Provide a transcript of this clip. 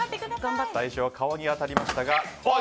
最初は顔に当たりました。